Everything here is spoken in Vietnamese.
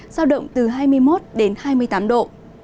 giao động từ hai mươi một đến hai mươi tám độ